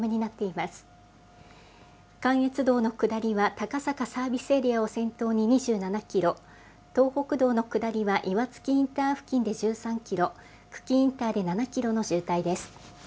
高坂サービスエリアを先頭に２７キロ、東北道の下りは岩槻インター付近で１３キロ、久喜インターで７キロの渋滞です。